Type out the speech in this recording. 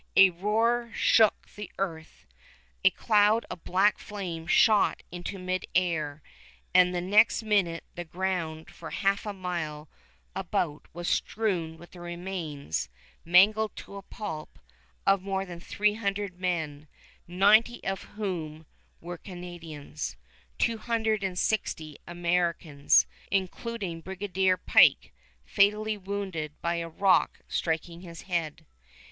A roar shook the earth. A cloud of black flame shot into mid air, and the next minute the ground for half a mile about was strewn with the remains, mangled to a pulp, of more than three hundred men, ninety of whom were Canadians, two hundred and sixty Americans, including Brigadier Pike fatally wounded by a rock striking his head.